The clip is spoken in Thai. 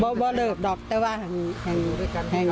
เพราะไม่เคยถามลูกสาวนะว่าไปทำธุรกิจแบบไหนอะไรยังไง